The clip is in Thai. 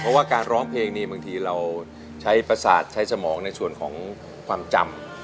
เพราะว่าการร้องเพลงนี้บางทีเราใช้ประสาทใช้สมองในส่วนของความจำ